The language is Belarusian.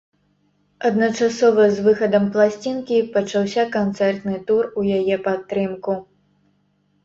Адначасова з выхадам пласцінкі пачаўся канцэртны тур у яе падтрымку.